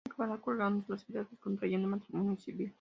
Acabaría colgando los hábitos y contrayendo matrimonio civil.